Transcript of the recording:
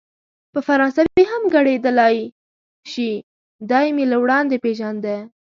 په فرانسوي هم ګړیدلای شي، دی مې له وړاندې پېژانده.